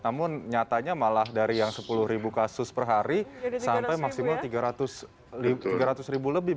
namun nyatanya malah dari yang sepuluh ribu kasus per hari sampai maksimal tiga ratus ribu lebih